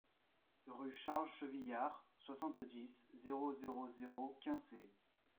Rue Charles Chevillard, soixante-dix, zéro zéro zéro Quincey